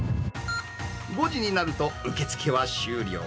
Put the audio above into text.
５時になると、受け付けは終了。